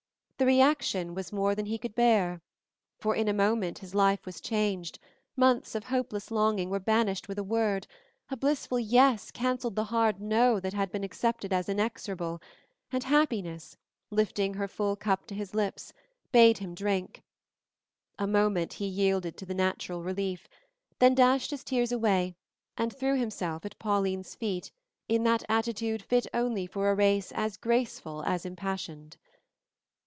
The reaction was more than he could bear, for in a moment his life was changed, months of hopeless longing were banished with a word, a blissful yes canceled the hard no that had been accepted as inexorable, and Happiness, lifting her full cup to his lips, bade him drink. A moment he yielded to the natural relief, then dashed his tears away and threw himself at Pauline's feet in that attitude fit only for a race as graceful as impassioned.